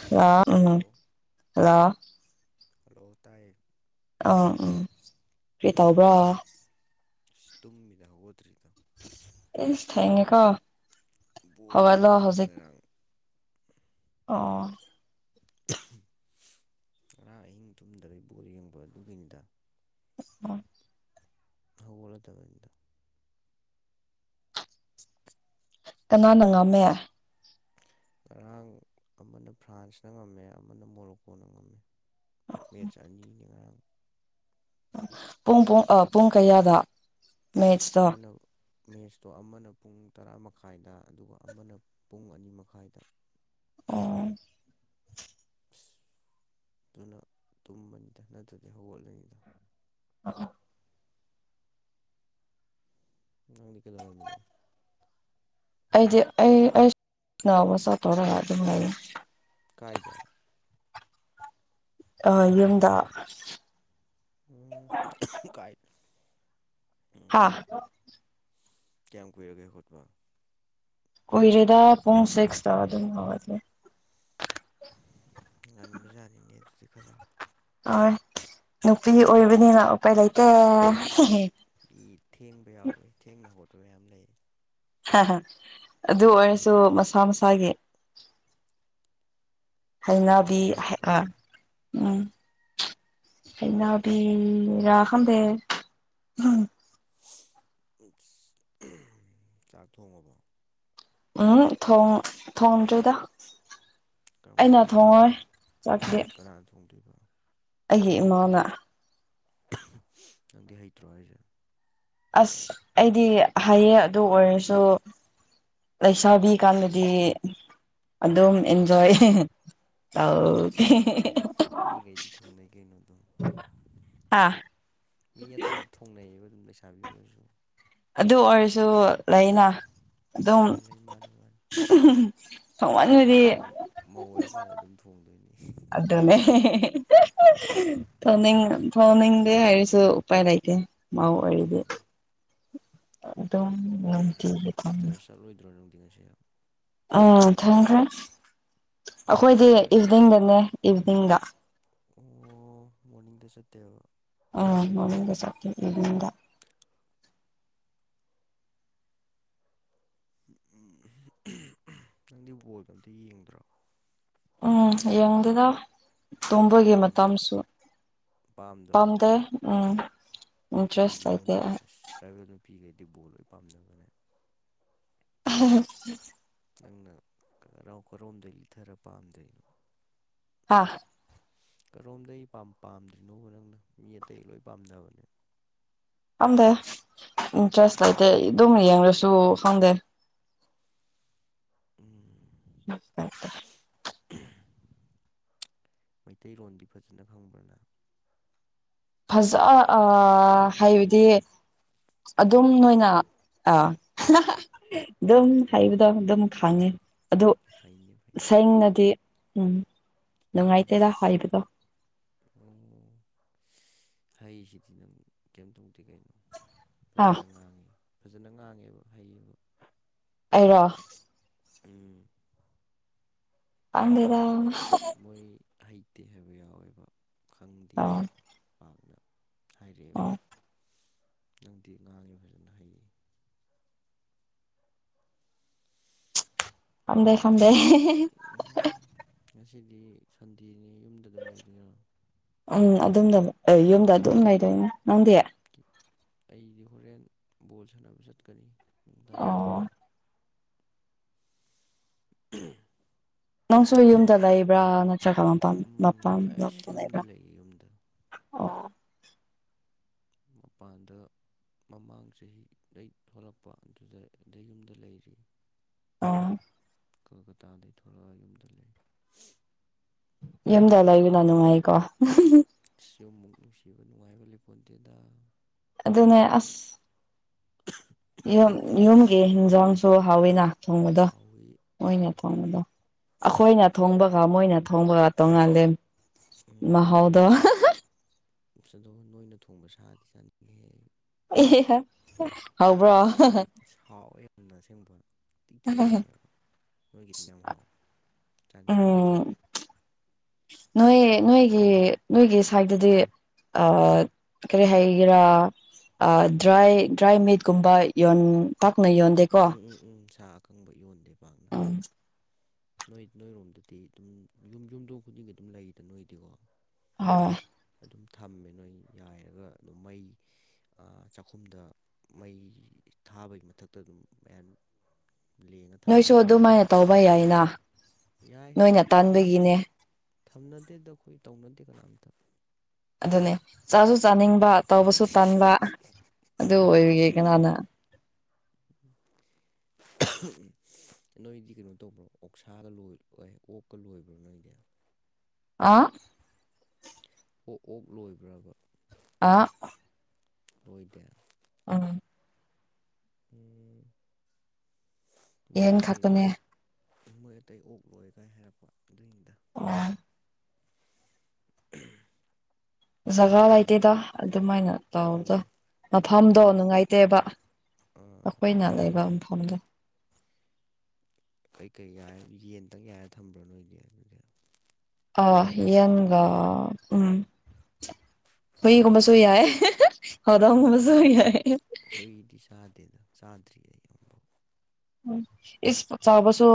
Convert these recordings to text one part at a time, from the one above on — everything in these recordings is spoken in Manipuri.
ꯍꯜꯂꯣ ꯍꯜꯂꯣ [unintelligible] ꯍꯜꯂꯣ ꯇꯥꯏꯌꯦ ꯑꯥ ꯎꯝ ꯀꯔꯤ ꯇꯧꯕ꯭ꯔꯣ ꯏꯁ ꯇꯨꯝꯃꯤꯗ ꯍꯧꯒꯠꯇ꯭ꯔꯤꯗ꯫ ꯏꯁ ꯊꯦꯡꯉꯦ ꯀꯣ ꯕꯣꯜ ꯌꯦꯡꯕꯩꯅꯤ ꯉꯔꯥꯡ ꯑꯣ ꯉꯔꯥꯡ ꯑꯍꯤꯡ ꯇꯨꯝꯗꯒꯩ ꯕꯣꯜ ꯌꯦꯡꯕ ꯑꯗꯨꯒꯤꯅꯤꯗ ꯑꯣ ꯍꯧꯒꯠꯂꯗꯕꯅꯤꯗ ꯀꯅꯥꯅ ꯉꯝꯃꯦ꯫ ꯉꯔꯥꯡ ꯑꯃꯅ ꯐ꯭ꯔꯥꯟꯁꯅ ꯉꯝꯃꯦ ꯑꯃꯅ ꯃꯣꯔꯣꯀꯣꯅ ꯉꯝꯃꯦ꯫ ꯃꯦꯁ ꯑꯅꯤꯅꯦ ꯉꯔꯥꯡ ꯄꯨꯡ ꯄꯨꯡ ꯑ ꯄꯨꯡ ꯀꯌꯥꯗ ꯃꯦꯠꯁꯇꯣ ꯑꯃꯅ ꯃꯦꯠꯁꯇꯣ ꯑꯃꯅ ꯄꯨꯡ ꯇꯔꯥ ꯃꯈꯥꯏꯗ ꯑꯗꯨꯒ ꯑꯃꯅ ꯄꯨꯡ ꯑꯅꯤ ꯃꯈꯥꯏꯗ꯫ ꯑꯣ ꯑꯁ ꯑꯗꯨꯅ ꯇꯨꯝꯕꯅꯤꯗ ꯅꯠꯇ꯭ꯔꯗꯤ ꯍꯧꯒꯠꯂꯅꯤꯗ ꯑꯣ ꯅꯪꯗꯤ ꯀꯩꯗꯧꯔꯝꯃꯤꯅꯣ ꯑꯩꯗꯤ ꯑꯩ ꯑꯩ ꯅꯥꯎ ꯃꯆꯥꯇꯧꯔꯒ ꯑꯗꯨꯝ ꯂꯩꯌꯦ ꯀꯥꯏꯗ ꯑꯍꯣꯏ ꯌꯨꯝꯗ ꯎꯝ ꯀꯥꯏ ꯍꯥ ꯎꯝ ꯀꯌꯥꯝ ꯀꯨꯏꯔꯒꯦ ꯍꯧꯒꯠꯄ? ꯀꯨꯏꯔꯦꯗ ꯄꯨꯡ ꯁꯤꯛꯁꯇ ꯑꯗꯨꯝ ꯍꯧꯒꯠꯂꯦ꯫ ꯉꯟꯕꯖꯥꯅꯤꯡꯅꯦ ꯑꯗꯨꯗꯤ ꯈꯔ ꯑ ꯅꯨꯄꯤ ꯎꯝ ꯑꯣꯏꯕꯅꯤꯅ ꯎꯄꯥꯏ ꯂꯩꯇꯦ ꯃꯤ ꯊꯦꯡꯕ ꯌꯥꯎꯏ ꯊꯦꯡꯅ ꯈꯣꯠꯄ ꯃꯌꯥꯝ ꯂꯩ ꯑꯗꯨ ꯑꯣꯏꯔꯁꯨ ꯃꯁꯥ ꯃꯁꯥꯒꯤ ꯎꯝ ꯃꯁꯥ ꯍꯩꯅꯕꯤ ꯃꯁꯥꯒꯤ ꯑ ꯇꯧꯔꯒ ꯎꯝ ꯍꯩꯅꯕꯤꯔꯥ ꯈꯪꯗꯦ ꯆꯥꯛ ꯊꯣꯡꯉꯕ ꯎꯝ ꯊꯣꯡ ꯊꯣꯡꯗ꯭ꯔꯤꯗ ꯑꯩꯅ ꯊꯣꯡꯉꯣꯏ ꯆꯥꯛꯇꯤ ꯀꯅꯥꯥ ꯊꯣꯡꯗꯣꯏꯕ ꯑꯩꯒꯤ ꯏꯃꯥꯅ ꯅꯪꯗꯤ ꯍꯩꯇ꯭ꯔꯣ ꯍꯥꯏꯖꯦ ꯑꯁ ꯑꯩꯗꯤ ꯍꯥꯏꯌꯦ ꯑꯗꯨ ꯑꯣꯏꯔꯁꯨ ꯂꯩꯁꯥꯕꯤ ꯀꯥꯟꯗꯗꯤ ꯑꯗꯨꯝ ꯑꯦꯟꯖꯣꯏ ꯇꯧꯒꯦ ꯃꯤ ꯃꯤꯒꯩꯗꯤ ꯊꯣꯡꯅꯩ ꯀꯩꯅꯣ ꯑꯗꯨꯝ ꯍꯥ ꯃꯤ ꯑꯇꯩꯗꯤ ꯊꯣꯡꯅꯩꯌꯦꯕ ꯑꯗꯨꯝ ꯂꯩꯁꯥꯕꯤ ꯑꯣꯏꯔꯖꯨ ꯑꯗꯨ ꯑꯣꯏꯔꯁꯨ ꯂꯩꯅꯥ ꯂꯩ ꯂꯩ ꯃꯥꯅꯤ ꯃꯥꯅꯤ ꯍꯌꯦꯡ ꯊꯣꯡꯃꯟꯕꯗꯤ ꯃꯧ ꯃꯧ ꯑꯣꯏꯔꯀꯥꯟꯗ ꯑꯗꯨꯝ ꯊꯣꯡꯗꯣꯏꯅꯤ ꯎꯝ ꯊꯣꯅꯤꯡ ꯌꯥꯏ ꯌꯥꯏ ꯊꯣꯅꯤꯡ ꯗꯦ ꯍꯥꯏꯔꯁꯨ ꯄꯥꯏ ꯂꯩꯇꯦ ꯃꯧ ꯑꯣꯏꯔꯤꯗꯤ ꯎꯝ [unintelligible] ꯑꯗꯨꯝ ꯅꯨꯪꯡ ꯇꯤꯒꯤ ꯊꯣꯡ ꯆꯔꯁ ꯆꯠꯂꯣꯏꯗ꯭ꯔꯣ ꯅꯪ [unintelligible] ꯎꯝ ꯊꯪꯈ꯭ꯔꯦ ꯑꯩꯈꯣꯏꯗꯤ ꯆꯠꯂꯣꯏ ꯏꯚꯅꯤꯡꯗꯅꯦ ꯏꯚꯅꯤꯡꯗ ꯑꯣ ꯃꯣꯔꯅꯤꯡꯗ ꯆꯠꯇꯦꯕ ꯑ ꯃꯣꯔꯅꯤꯡ ꯗ ꯆꯇꯇꯦ ꯏꯕꯅꯤꯡꯗ ꯅꯪꯗꯤ ꯕꯣꯜꯗꯣ ꯑꯝꯇ ꯌꯦꯡꯗ꯭ꯔꯣ ꯎꯝ ꯌꯦꯡꯗꯦꯗ ꯇꯣꯝꯕꯒꯤ ꯄꯥꯝꯗ꯭ꯔꯣ ꯃꯇꯝꯁꯨ ꯄꯥꯝꯗꯕ꯭ꯔꯣ ꯄꯥꯝꯗꯦ ꯕꯣꯜ ꯎꯝ ꯏꯟꯇꯔꯦꯁ ꯂꯩꯇꯦ ꯀꯩꯒꯤꯅꯣꯅꯦ ꯑꯁ ꯇ꯭ꯔꯥꯏꯕꯦꯜ ꯅꯨꯄꯤꯒꯩꯗꯤ ꯕꯣꯜ ꯂꯣꯏ ꯄꯥꯝꯅꯕꯅꯦ [unintelligible] ꯅꯪꯅ ꯀꯔꯥꯎ ꯀꯔꯣꯝꯗꯩ ꯂꯤꯠꯊꯔ ꯄꯥꯝꯗꯔ꯭ꯤꯅꯣ ꯑꯥ ꯀꯔꯣꯝꯗꯩꯩ ꯄꯥꯝ ꯄꯥꯝꯗ꯭ꯔꯤꯅꯣꯕ ꯅꯪꯅ ꯃꯤ ꯑꯇꯩ ꯂꯣꯏ ꯄꯥꯝꯅꯕꯅꯦ ꯈꯪꯗꯦ ꯏꯟꯇꯔꯦꯁ ꯎꯝ ꯂꯩꯇꯦ ꯏꯗꯨꯝ ꯌꯦꯡꯔꯁꯨ ꯈꯪꯗꯦ ꯎꯝ [inaudible] ꯃꯩꯇꯩꯔꯣꯟꯗꯤ ꯐꯖꯅ ꯈꯪꯕ꯭ꯔ ꯅ ꯐꯖ ꯑꯥ ꯍꯥꯏꯕꯗꯤ ꯑꯗꯨꯝ ꯅꯣꯏꯅ ꯑ ꯗꯨꯝ ꯀꯩꯗꯧꯔꯕ ꯍꯩꯕꯗꯣ ꯗꯨꯝ ꯈꯥꯡꯉꯦ ꯑꯗꯨ ꯐꯩꯅꯦ ꯐꯩ ꯁꯦꯡꯅꯗꯤ ꯎꯝ ꯅꯨꯡꯉꯥꯏꯇꯦꯗ ꯎꯝ ꯍꯥꯏꯕꯗꯣ ꯑꯣ ꯍꯩꯁꯤꯗꯤ ꯅꯪ ꯀꯩꯝ ꯇꯧ [unintelligible] ꯀꯩꯅꯣ ꯍꯥ ꯐꯖꯅ ꯉꯥꯡꯉꯦ ꯐꯖꯅ ꯉꯥꯡꯉꯦꯕ ꯍꯩꯌꯦꯕ ꯑꯩꯔꯣ ꯎꯝ ꯈꯪꯗꯦꯗ ꯃꯣꯏ ꯍꯩꯇꯦ ꯍꯥꯏꯕ ꯌꯥꯎꯋꯦꯕ ꯑꯣ ꯈꯪꯗꯦꯅ ꯄꯥꯛꯅ ꯍꯥꯏꯔꯛꯑꯦꯕ ꯑꯣ ꯅꯪꯗꯤ ꯉꯥꯡꯉꯦ ꯐꯖꯅ ꯍꯩꯌꯦ ꯈꯪꯗꯦ ꯈꯪꯗꯦ ꯉꯁꯤ [unintelligible] ꯎꯝ ꯉꯁꯤꯗꯤ ꯁꯟꯗꯦꯅꯤ ꯌꯨꯝꯗ ꯑꯗꯨꯝ ꯂꯩꯗꯣꯏꯔꯣ ꯎꯝ ꯑꯗꯨꯝꯗ ꯌꯨꯝꯗ ꯑꯗꯨꯝ ꯂꯩꯗꯣꯏꯅꯤ ꯅꯪꯗꯤ ꯑꯩꯗꯤ ꯍꯣꯔꯦꯟ ꯕꯣꯜ ꯁꯥꯟꯅꯕ ꯆꯠꯀꯅꯤ ꯅꯨꯡꯗꯥꯡꯗ ꯑꯣ ꯎꯝꯍꯨꯝ ꯅꯪꯁꯨ ꯌꯨꯝꯗ ꯂꯩꯕ꯭ꯔꯥ ꯅꯠꯇ꯭ꯔꯒ ꯃꯄꯥꯝ ꯃꯄꯥꯝꯗ [unintelligible] ꯂꯩꯕ꯭ꯔꯥ ꯑꯩ ꯌꯨꯝꯗ ꯑꯣ ꯃꯄꯥꯟꯗ ꯃꯃꯥꯡ ꯆꯍꯤꯗꯩ ꯊꯣꯛꯂꯛꯄ ꯑꯗꯨꯗ ꯑꯗꯩ ꯌꯨꯝꯗ ꯂꯩꯔꯤ ꯑꯣ ꯀꯣꯜꯀꯥꯇꯥꯗꯩ ꯊꯣꯛꯂꯛꯑꯥ ꯌꯨꯝꯗ ꯂꯩ ꯌꯨꯝꯗ ꯂꯩꯕꯅ ꯅꯨꯡꯉꯥꯏꯀꯣ [unintelligible] [unintelligible] ꯌꯨꯝꯃꯨꯛ ꯅꯨꯡꯁꯤꯕ ꯅꯨꯡꯉꯥꯏꯕ ꯂꯩꯄꯣꯟꯇꯦꯗ ꯑꯗꯨꯅꯦ ꯑꯁ [unintelligible] ꯌꯨꯝ ꯌꯨꯝꯒꯤ ꯍꯤꯟꯖꯥꯡꯁꯨ ꯍꯥꯎꯋꯤꯅ ꯊꯣꯡꯕꯗꯣ ꯍꯥꯎꯋꯤ ꯃꯣꯏꯅ ꯎꯝ ꯊꯣꯡꯕꯗꯣ ꯑꯈꯣꯏꯅ ꯊꯣꯡꯕꯒ ꯃꯣꯏꯅ ꯊꯣꯡꯕꯒ ꯇꯣꯡꯉꯥꯜꯂꯦ ꯎꯝ ꯃꯍꯥꯎꯗꯣ ꯑꯗꯣ [unintelligible] ꯑꯁ ꯑꯗꯣ ꯅꯣꯏꯅ ꯊꯣꯡꯕ ꯁꯥꯗꯤ ꯆꯥꯅꯤꯡꯉꯦꯍꯦ [unintelligible] ꯍꯥꯎꯕ꯭ꯔꯣ [unintelligible] ꯏꯁ ꯍꯥꯎꯋꯦ ꯌꯥꯝꯅ ꯑꯁꯦꯡꯕ ꯊꯤ ꯈꯦꯠꯅꯩꯌꯦꯕ ꯅꯣꯏꯒꯤꯗꯨꯅ ꯌꯥꯝ ꯍꯥꯎꯋꯦ ꯆꯥꯅꯤꯡꯉꯛꯑꯦ ꯎꯝ ꯅꯣꯏ ꯅꯣꯏꯒꯤ ꯅꯣꯏꯒꯤ ꯁꯥꯏꯗꯗꯤ ꯑꯥ ꯀꯔꯤ ꯍꯥꯏꯒꯦꯔꯥ ꯑꯥ ꯗ꯭ꯔꯥꯏ ꯗ꯭ꯔꯥꯏ ꯃꯤꯠꯀꯨꯝꯕ ꯌꯣꯟ ꯄꯥꯛꯅ ꯎꯝ ꯌꯣꯟꯗꯦꯀꯣ ꯎꯝ ꯎꯝ ꯎꯝ ꯁꯥ ꯑꯀꯪꯕ ꯌꯣꯟꯗꯦ ꯄꯥꯛꯅ [unintelligible] ꯅꯣꯏ ꯅꯣꯏꯔꯣꯝꯗꯗꯤ ꯗꯨꯝ ꯌꯨꯝ ꯌꯨꯝꯗꯣꯡ ꯈꯨꯗꯤꯡꯒꯤ ꯑꯗꯨꯝ ꯂꯩꯗ ꯅꯣꯏꯗꯤꯀꯣ ꯍꯣꯏ ꯑꯗꯨꯝ ꯊꯝꯃꯦ ꯅꯣꯏ ꯌꯥꯏꯔꯒ ꯗꯨꯝ ꯃꯩ ꯑꯥ ꯆꯥꯛꯈꯨꯝꯗ ꯃꯩ ꯊꯥꯕꯩ ꯃꯊꯛꯇ ꯑꯗꯨꯝ [unintelligible] ꯅꯣꯏꯁꯨ ꯊꯝꯕꯗꯣ ꯑꯗꯨꯃꯥꯏꯅ ꯇꯧꯕ ꯌꯥꯏꯅ ꯌꯥꯏ ꯑꯗꯣ ꯅꯣꯏꯅ ꯊꯝꯅꯗꯦ ꯇꯥꯟꯕꯒꯤꯅꯦ ꯊꯝꯅꯗꯦꯗ ꯑꯩꯈꯣꯏ ꯇꯧꯅꯗꯦ ꯀꯅꯥꯝꯇ ꯑꯗꯨꯅꯦ ꯆꯥꯁꯨ ꯆꯥꯅꯤꯡꯕ ꯇꯧꯕꯁꯨ ꯇꯟꯕ ꯑꯗꯨ ꯑꯣꯏꯕꯒꯤ ꯀꯅꯥꯅ [inaudible] [inaudible] [unintelligible] ꯅꯣꯏꯗꯤ ꯀꯩꯅꯣ ꯇꯧꯕ꯭ꯔꯣ ꯑꯣꯛꯁꯥꯒ ꯂꯣꯏ ꯑꯣꯏꯌꯦ ꯑꯣꯛꯀ ꯂꯣꯏꯕ꯭ꯔꯣ ꯅꯣꯏꯗꯤ ꯑꯥ ꯑꯣꯛ ꯑꯣꯛ ꯂꯣꯏꯕ꯭ꯔꯥꯕ ꯑꯥꯍꯥ ꯑꯣꯏꯗꯦ꯫ ꯎꯝ꯫ ꯎꯝ [unintelligible] ꯃꯣꯏ ꯌꯦꯟ ꯑꯇꯩꯗꯤ ꯈꯛꯇꯅꯦ ꯑꯣꯛ ꯃꯣꯏ ꯑꯇꯩ ꯑꯣꯛ ꯂꯣꯏ ꯀꯥꯏ ꯍꯥꯏꯔꯛꯄ ꯑꯗꯨꯏꯅꯤꯗ꯫ ꯑꯣ꯫ ꯎꯝ꯫ ꯖꯒꯥ ꯂꯩꯇꯦꯗ ꯑꯗꯨꯃꯥꯏꯅ ꯇꯧꯕꯗꯣ ꯑꯣ ꯃꯐꯝꯗꯣ ꯅꯣꯏꯗꯤ ꯅꯨꯡꯉꯥꯏ ꯇꯦꯕ ꯑꯩꯈꯣꯏꯅ ꯂꯩꯕ ꯃꯐꯝꯗꯣ꯫ ꯀꯩꯀꯩ ꯌꯥꯏ ꯌꯦꯟꯇꯪ ꯌꯥꯏꯔ ꯊꯝꯕ꯭ꯔꯣ ꯅꯣꯏꯗꯤ ꯑꯗꯨꯗꯤ꯫ ꯑ ꯌꯦꯟꯒ ꯎꯝ꯫ ꯍꯣꯏꯒꯨꯝꯕꯁꯨ ꯌꯥꯏ ꯍꯧꯗꯣꯡꯒꯨꯝꯕꯁꯨ ꯌꯥꯏ꯫ ꯍꯨꯏꯗꯤ ꯆꯥꯗꯦꯗ ꯆꯥꯗ꯭ꯔꯤ ꯑꯩ ꯑꯃꯨꯛꯐꯧ꯫ ꯎꯝ ꯏꯁ ꯆꯥꯎꯕꯁꯨ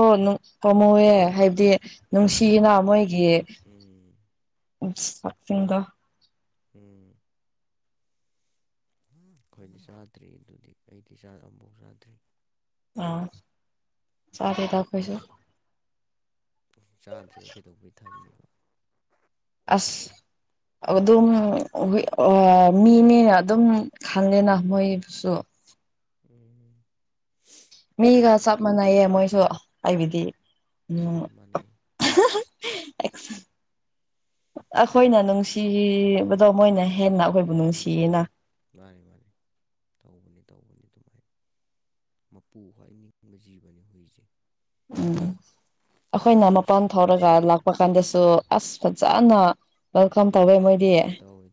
ꯀꯣꯝꯃꯧꯋꯦ ꯍꯥꯏꯕꯗꯤ ꯅꯨꯡꯁꯤꯅ ꯃꯣꯏꯒꯤ꯫ ꯑꯦ꯫ ꯑꯁ ꯀꯥꯛꯆꯤꯡꯗ꯫ ꯑꯦ꯫ ꯑꯩꯈꯣꯏꯗꯤ ꯆꯥꯗ꯭ꯔꯤ ꯑꯗꯨꯗꯤ ꯑꯩꯗꯤ ꯆꯥꯗ꯭ꯔꯤ ꯑꯃꯝꯐꯥꯎ ꯆꯥꯗ꯭ꯔꯤ꯫ ꯑꯥ ꯆꯥꯗꯦꯗ ꯑꯈꯣꯏꯁꯨ꯫ ꯎꯝ ꯆꯥꯗ꯭ꯔꯒ ꯀꯩꯗꯧꯕꯩ ꯊꯝꯃꯤꯕ꯫ ꯑꯁ ꯑꯗꯨꯝ ꯍꯨꯏ ꯃꯤꯅꯤꯅ ꯑꯗꯨꯝ ꯈꯪꯉꯦꯅ ꯃꯣꯏꯕꯨꯁꯨ꯫ ꯎꯝ꯫ ꯃꯤꯒ ꯆꯞ ꯃꯥꯟꯅꯩꯌꯦ ꯃꯣꯏꯁꯨ ꯍꯥꯏꯕꯗꯤ ꯎꯝ꯫ ꯃꯥꯅꯦ ꯃꯥꯅꯦ [unintelligible] ꯑꯈꯣꯏꯅ ꯅꯨꯡꯁꯤ ꯁꯤꯕꯗꯣ ꯃꯣꯏꯅ ꯍꯦꯟꯅ ꯑꯩꯈꯣꯏꯕꯨ ꯅꯨꯡꯁꯤꯌꯦꯅ꯫ ꯃꯥꯅꯤ ꯃꯥꯅꯤ ꯇꯧꯕꯅꯤ ꯇꯧꯕꯅꯤ ꯑꯗꯨꯃꯥꯏꯅ꯫ ꯃꯄꯨ ꯈ꯭ꯋꯥꯏ ꯅꯤꯡꯕ ꯖꯤꯕꯅꯦ ꯍꯨꯏꯁꯦ꯫ ꯎꯝ ꯑꯈꯣꯏꯅ ꯑꯗꯩ ꯃꯄꯥꯟ ꯁꯤꯡꯁꯨ ꯊꯧꯔꯒ ꯂꯥꯛꯄ ꯁꯤꯡꯕꯅꯤ ꯀꯥꯟꯗꯁꯨ ꯑꯁ ꯐꯖꯅ ꯋꯦꯜꯀꯝ ꯇꯧꯋꯦ ꯃꯣꯏꯗꯤ꯫ ꯇꯧꯋꯦ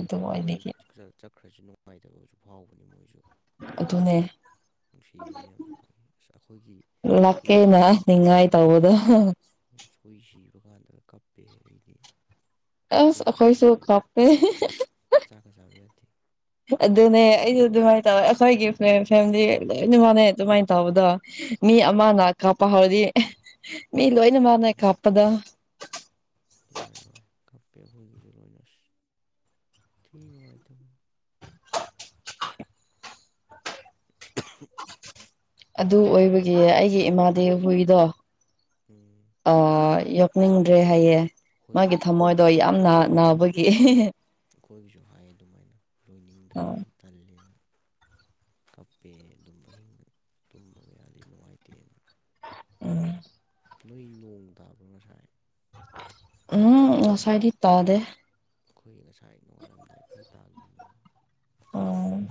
ꯑꯗꯨ ꯑꯈꯣꯏ ꯑꯣꯏꯕꯒꯤ ꯆꯠꯈ꯭ꯔꯁꯨ ꯅꯨꯡꯉꯥꯏꯇꯕꯁꯨ ꯐꯥꯎꯕꯅꯤ ꯃꯣꯏꯁꯨ꯫ ꯑꯗꯨꯅꯦ꯫ ꯅꯨꯡꯁꯤꯕꯅꯦ ꯌꯥꯝꯅ ꯑꯩꯈꯣꯏꯒꯤ ꯑꯁ ꯑꯩꯈꯣꯏꯒꯤ ꯍꯨꯏ ꯂꯀꯦꯅ ꯅꯤꯡꯉꯥꯏ ꯇꯧꯕꯗꯣ꯫ ꯍꯨꯏ ꯁꯤꯕ ꯀꯥꯟꯗ ꯀꯞꯄꯦꯍꯦ ꯑꯩꯗꯤ꯫ ꯑꯁ ꯑꯈꯣꯏꯁꯨ ꯀꯞꯄꯦ꯫ ꯆꯥꯛꯀꯥ ꯆꯥꯕ ꯌꯥꯗꯦ꯫ ꯑꯗꯨꯅꯦ ꯑꯩꯁꯨ ꯑꯗꯨꯃꯥꯏꯅ ꯇꯧꯋꯦ ꯑꯩꯈꯣꯏꯒꯤ ꯐꯦꯃꯤꯂꯤ ꯂꯣꯏꯅꯃꯛꯅꯦ ꯑꯗꯨꯃꯥꯏꯅ ꯇꯧꯕꯗꯣ꯫ ꯃꯤ ꯑꯃꯅ ꯀꯥꯞꯄ ꯍꯧꯎꯔꯗꯤ ꯃꯤ ꯂꯣꯏꯅꯃꯛꯅ ꯎꯝ ꯀꯞꯄꯗꯣ꯫ ꯃꯥꯅꯦ ꯃꯥꯅꯦ ꯀꯞꯄꯦ ꯑꯈꯣꯏꯒꯤꯁꯨ ꯂꯣꯏꯅꯣ ꯑꯁ ꯊꯤ ꯅꯨꯡꯉꯥꯏꯇꯕꯅꯦ꯫ [unintelligible] ꯑꯗꯨ ꯑꯣꯏꯕꯒꯤ ꯑꯩꯒꯤ ꯏꯃꯥꯗ ꯍꯨꯏꯗꯣ꯫ ꯎꯝ꯫ ꯑꯥ ꯌꯣꯛꯅꯤꯡꯗ꯭ꯔꯦ ꯍꯥꯏꯌꯦ ꯑꯩꯈꯣꯏꯁꯨ ꯃꯥꯒꯤ ꯊꯃꯣꯏꯗꯣ ꯑꯩꯈꯣꯏꯁꯨ ꯌꯥꯝꯅ ꯅꯕꯒꯤ꯫ [unintelligible] ꯑꯈꯣꯏꯒꯤꯁꯨ ꯍꯥꯏꯌꯦ ꯑꯗꯨꯃꯥꯏꯅ ꯂꯣꯏꯅꯤꯡꯗ꯭ꯔꯦ ꯎꯝ ꯍꯨꯏ ꯇꯜꯂꯦꯅ꯫ ꯀꯞꯄꯦ ꯑꯗꯨꯝ ꯑꯍꯤꯡꯒ ꯇꯨꯝꯕꯒ ꯌꯥꯗꯦ ꯅꯨꯡꯉꯥꯏꯇꯦꯅ ꯎꯝ ꯅꯣꯏ ꯅꯣꯡ ꯇꯥꯕ꯭ꯔꯣ ꯉꯁꯥꯏ ꯎꯝ ꯉꯁꯥꯏꯗꯤ ꯇꯥꯗꯦ ꯑꯩꯈꯣꯏ ꯉꯁꯥꯏ ꯅꯣꯉꯥꯜꯂꯝꯗꯥꯏ ꯈꯔ ꯇꯥꯒꯤ ꯅꯣꯡ ꯎꯝ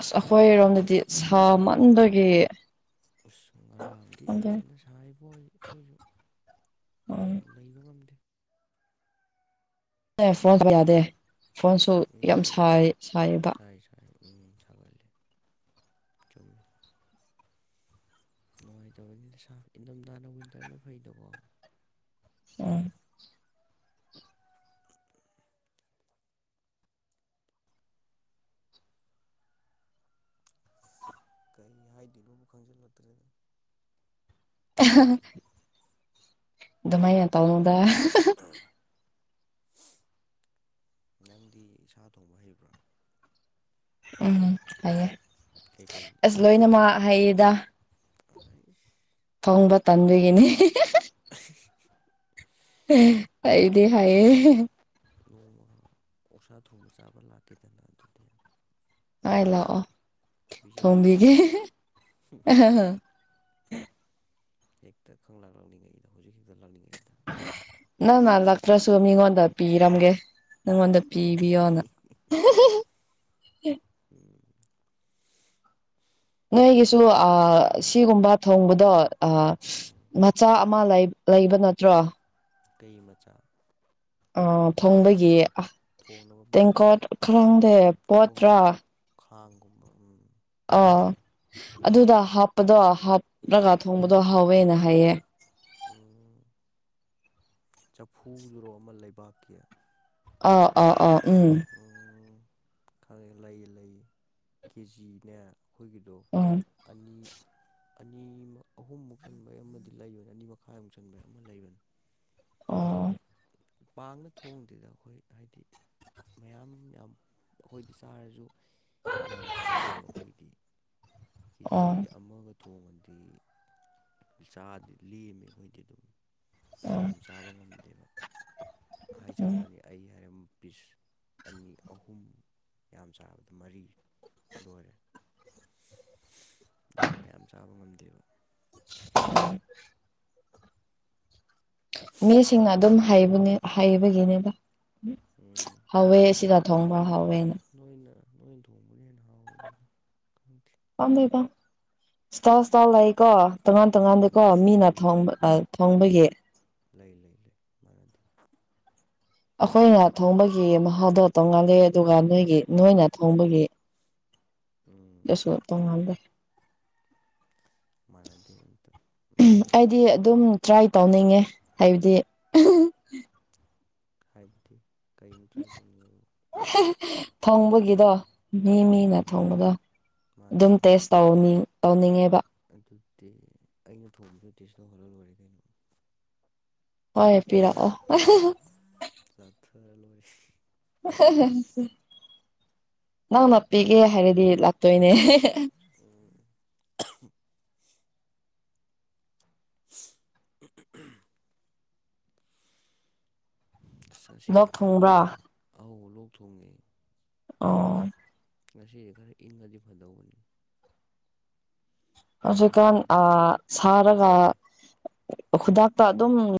ꯑꯁ ꯑꯩꯈꯣꯏꯔꯣꯝꯗꯗꯤ ꯁꯥꯃꯟꯕꯒꯤ ꯎꯁ ꯉꯔꯥꯡꯗꯤ ꯈꯪꯗꯦ ꯐꯖꯅ ꯁꯥꯥꯏꯕꯣ ꯑꯩ ꯑꯩꯈꯣꯏꯁꯨ ꯎꯝ ꯂꯩꯕ ꯉꯝꯗꯦ ꯑꯦ ꯐꯣꯟꯁꯨ ꯌꯥꯗꯦ ꯐꯣꯟꯁꯨ ꯌꯥꯝ ꯁꯥꯏ ꯁꯥꯏꯌꯦꯕ ꯑꯩ ꯁꯥꯏꯕ ꯎꯝ ꯁꯥꯒꯠꯂꯦ ꯆꯨꯨꯝꯃꯦ ꯅꯨꯡꯉꯥꯏꯇꯕꯅꯤꯅ ꯁꯥ ꯏꯟꯊꯝꯊꯥꯅ ꯋꯤꯟꯇꯔꯅ ꯐꯩꯗꯀꯣ ꯎꯝ [unintelligible] ꯀꯔꯤ ꯍꯥꯏꯗꯣꯏꯅꯣꯕꯨ ꯈꯪꯖꯤꯜꯂꯛꯇ꯭ꯔꯦꯗ [unintelligible] ꯗꯨꯃꯥꯏꯅ ꯇꯧꯅꯨꯗꯥ ꯎꯝ ꯅꯪꯗꯤ ꯏꯁꯥ ꯊꯣꯡꯕ ꯍꯩꯕ꯭ꯔꯥ ꯎꯝ ꯍꯩꯌꯦ ꯀꯩꯀꯩ ꯑꯁ ꯂꯣꯏꯅꯃꯛ ꯍꯩꯌꯦꯗ ꯑꯥꯏꯁ ꯊꯣꯡꯕ ꯇꯟꯕꯒꯤꯅꯤ [inaudible] ꯍꯥꯏꯗꯤ ꯑꯗꯨꯗꯤ ꯍꯥꯏꯌꯦ ꯅꯣꯡꯃ ꯑꯣꯛꯁꯥ ꯊꯣꯡꯕ ꯆꯥꯕ ꯂꯥꯛꯀꯦꯗꯅꯥ ꯑꯗꯨꯗꯤ ꯍꯣꯏ ꯂꯥꯛꯑꯣ ꯄꯤꯖꯒꯗ꯭ꯔꯣ ꯊꯣꯡꯕꯤꯒꯦ ꯍꯥꯏꯁꯦ ꯍꯦꯛꯇ ꯈꯪꯂꯥꯛ ꯂꯛꯅꯤꯡꯉꯩꯗ ꯍꯧꯖꯤꯛ ꯍꯦꯛꯇ ꯂꯥꯛꯅꯤꯡꯉꯩꯗ ꯅꯪꯅ ꯂꯛꯇ꯭ꯔꯁꯨ ꯃꯤꯉꯣꯟꯗ ꯄꯤꯔꯝꯒꯦ ꯅꯪꯉꯣꯟꯗ ꯄꯤꯕꯤꯌꯣꯅ ꯅꯣꯏꯒꯤꯁꯨ ꯑ ꯁꯤꯒꯨꯝꯕ ꯊꯣꯡꯕꯗꯣ ꯑ ꯎꯝ ꯃꯆꯥ ꯑꯃ ꯂꯩ ꯂꯩꯕ ꯅꯠꯇ꯭ꯔꯣ ꯀꯩ ꯃꯆꯥ ꯑ ꯊꯣꯡꯕꯒꯤ ꯊꯣꯡꯅꯕ ꯄꯥꯇ꯭ꯔꯗꯣ ꯇꯦꯡꯀꯣꯠ ꯈꯔꯪꯗꯦ ꯍꯣ ꯍꯣ ꯄꯣꯠꯇ꯭ꯔꯥ ꯈꯥꯡꯒꯨꯝꯕ ꯎꯝ ꯑꯥ ꯎꯝ ꯑꯗꯨꯗ ꯍꯥꯞꯄꯗꯣ ꯎꯝ ꯍꯥꯞꯂꯒ ꯊꯣꯡꯕꯗꯣ ꯍꯥꯎꯋꯦꯅ ꯍꯥꯏꯌꯦ ꯎꯝ ꯆꯐꯨꯗꯨꯔꯣ ꯑꯃ ꯂꯩꯕꯥꯛꯀꯤ ꯑꯥ ꯑꯥ ꯑꯥ ꯎꯝ ꯎ ꯈꯪꯉꯦ ꯂꯩ ꯂꯩ ꯀꯦꯖꯤꯅꯦ ꯑꯩꯈꯣꯏꯒꯤꯗꯣ ꯎꯝ ꯑꯅꯤ ꯑꯅꯤ ꯑꯍꯨꯝꯃꯨꯛ ꯆꯟꯕꯩ ꯑꯃꯗꯤ ꯂꯩꯕꯅꯤ ꯑꯅꯤ ꯃꯈꯥꯏꯃꯨꯛ ꯆꯟꯕꯩ ꯑꯃ ꯂꯩꯕꯅꯤ ꯑꯣ ꯄꯥꯡꯅ ꯊꯣꯡꯗꯦꯗ ꯑꯩꯈꯣꯏ ꯍꯥꯏꯗꯤ ꯃꯌꯥꯝ ꯌꯥꯝ ꯑꯩꯈꯣꯏꯗꯤ ꯆꯥꯔꯁꯨ ꯌꯥꯝ ꯆꯥꯗꯦꯕ ꯑꯩꯈꯣꯏꯗꯤ ꯑꯣ ꯀꯦꯖꯤ ꯑꯣ ꯑꯃꯒ ꯊꯣꯡꯉꯗꯤ ꯆꯥꯗꯤ ꯂꯦꯝꯃꯦ ꯑꯩꯈꯣꯏꯗꯤ ꯑꯗꯨꯝ ꯌꯥꯝ ꯆꯥꯕ ꯉꯝꯗꯦꯕ ꯍꯥꯏꯖ ꯎꯝ ꯋꯥꯅꯤ ꯑꯩ ꯍꯥꯏꯔꯝ ꯄꯤꯁ ꯑꯅꯤ ꯑꯍꯨꯝ ꯌꯥꯝ ꯆꯥꯔꯕꯗ ꯃꯔꯤ ꯂꯣꯏꯔꯦ ꯑꯗꯨꯅ ꯃꯌꯥꯝ ꯆꯥꯕ ꯉꯝꯗꯦꯕ [inaudible] ꯃꯤꯁꯤꯡꯅ ꯑꯗꯨꯝ ꯍꯩꯕꯅꯦ ꯍꯩꯕꯒꯤꯅꯤꯗ ꯎꯝ ꯑꯗꯨ ꯍꯥꯎꯋꯦ ꯁꯤꯗ ꯈꯪꯗꯦ ꯊꯣꯡꯕ ꯍꯥꯎꯋꯦꯅ ꯅꯣꯏꯅ ꯅꯣꯏ ꯊꯣꯡꯕꯅ ꯍꯦꯟꯅ ꯍꯥꯎꯋꯦ ꯑꯗꯨꯅꯗꯨꯝ ꯈꯪꯗꯦ ꯄꯥꯝꯗꯦꯗꯥ ꯏꯁꯇꯥꯏꯜ ꯏꯁꯇꯥꯏꯜ ꯂꯩꯀꯣ ꯇꯣꯉꯥꯟ ꯎꯝ ꯇꯣꯉꯥꯟꯗꯦꯀꯣ ꯃꯤꯅ ꯎꯝ ꯊꯣꯡꯕ ꯑꯥꯏ ꯊꯣꯡꯕꯒꯤ ꯂꯩ ꯂꯩ ꯂꯩ ꯃꯥꯅꯗꯦ ꯑꯈꯣꯏꯅ ꯊꯣꯡꯕꯒꯤ ꯃꯍꯥꯎꯗꯣ ꯇꯣꯡꯉꯥꯜꯂꯤ ꯑꯗꯨꯒ ꯅꯣꯏꯒꯤ ꯅꯣꯏꯅ ꯊꯣꯡꯕꯒꯤ [inaudible] ꯎꯝ ꯀꯩꯁꯨ ꯇꯣꯡꯉꯥꯜꯗꯦ ꯇꯣꯡꯉꯥꯜꯂꯦ ꯃꯥꯟꯅꯗꯦ ꯑꯝꯇ ꯎꯝ ꯑꯩꯗꯤ ꯑꯗꯨꯝ ꯇ꯭ꯔꯥꯏ ꯇꯧꯅꯤꯡꯉꯦ ꯍꯥꯏꯕꯗꯤ ꯍꯥꯏꯕꯗꯤ ꯀꯩꯅꯣ ꯇ꯭ꯔꯥꯏ ꯇꯧꯅꯤꯡꯉꯤꯕꯨ ꯊꯣꯡꯕꯒꯤꯗꯣ ꯃꯤ ꯃꯤꯅ ꯎꯝ ꯊꯣꯡꯕꯗꯣ ꯃꯥꯅꯦ ꯑꯗꯨꯝ ꯃꯥꯅꯦ ꯇꯦꯁ ꯇꯧꯅꯤꯡ ꯇꯧꯅꯤꯡꯉꯦꯕ ꯑꯗꯨꯗꯤ ꯑꯩꯅ ꯊꯣꯡꯕꯗꯣ ꯇꯦꯁ ꯇꯧꯍꯜꯂ ꯂꯣꯏꯔꯦ ꯀꯩꯅꯣ ꯍꯣꯏ ꯄꯤꯔꯛꯑꯣ ꯆꯥꯊꯔ ꯂꯣꯏꯔꯦ ꯅꯪꯅ ꯄꯤꯒꯦ ꯍꯥꯏꯔꯗꯤ ꯂꯥꯛꯇꯣꯏꯅꯦ ꯎꯝ ꯑꯁ ꯂꯣꯛ ꯉꯁꯤꯗꯤ ꯈꯔ ꯏꯪ ꯊꯨꯡꯕ꯭ꯔꯥ ꯑꯧ ꯂꯣꯛ ꯊꯨꯡꯉꯦ ꯑꯣ ꯉꯁꯤꯗꯤ ꯈꯔ ꯏꯪꯉꯗꯤ ꯐꯗꯧꯕꯅꯤ ꯍꯧꯖꯤꯛꯀꯥꯟ ꯁꯥꯗ꯭ꯔꯗꯤ ꯑꯥ ꯁꯥꯔꯒ ꯈꯨꯗꯥꯛꯇ ꯑꯗꯨꯝ